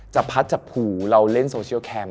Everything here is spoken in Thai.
จับพัดจับหูเราเล่นโซเชียลแคมป์